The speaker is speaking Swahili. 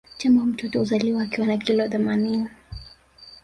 Tembo mtoto huzaliwa akiwa na kilo themaninini